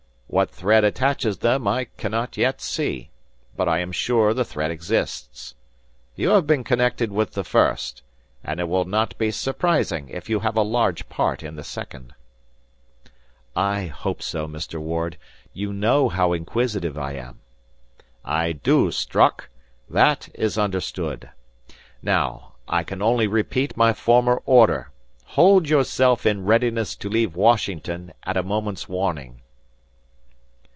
What thread attaches them, I cannot yet see; but I am sure the thread exists. You have been connected with the first, and it will not be surprising if you have a large part in the second." "I hope so, Mr. Ward. You know how inquisitive I am." "I do, Strock. That is understood. Now, I can only repeat my former order; hold yourself in readiness to leave Washington at a moment's warning."